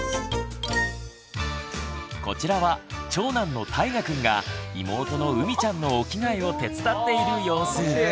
こちらは長男のたいがくんが妹のうみちゃんのお着替えを手伝っている様子。